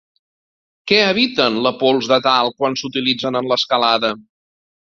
Què eviten les pols de talc quan s'utilitzen en l'escalada?